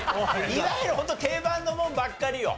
いわゆるホント定番のものばっかりよ。